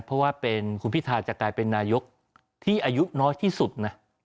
เพราะว่าเป็นคุณพิทาจะกลายเป็นนายกที่อายุน้อยที่สุดนะ